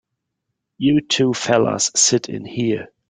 You two fellas sit in here.